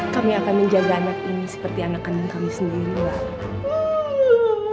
kami akan menjaga anak ini seperti anak kami sendiri